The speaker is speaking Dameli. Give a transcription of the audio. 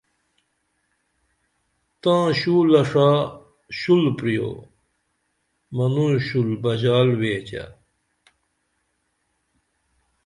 تاں شولہ ݜا شول پریو منوں شول بژال ویچہ